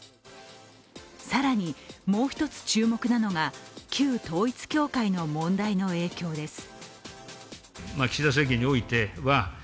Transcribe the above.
更にもう一つ注目なのが旧統一教会の問題の影響です。